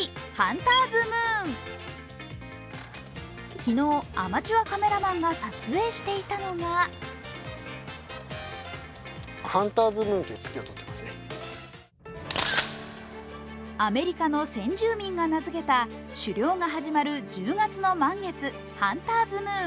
昨日、アマチュアカメラマンが撮影していたのがアメリカの先住民が名付けた狩猟が始まる１０月の満月、ハンターズムーン。